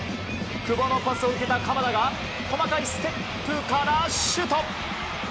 久保のパスを受けた鎌田が細かいステップからシュート。